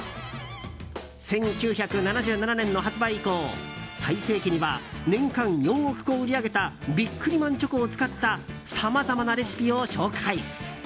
１９７７年の発売以降最盛期には年間４億個を売り上げたビックリマンチョコを使ったさまざまなレシピを紹介。